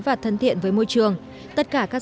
và thân thiện với môi trường tất cả các